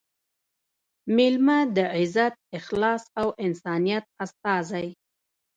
مېلمه – د عزت، اخلاص او انسانیت استازی